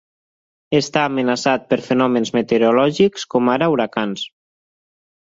Està amenaçat per fenòmens meteorològics com ara huracans.